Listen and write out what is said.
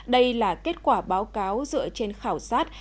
đây là kết quả báo cáo dựa trên khảo sát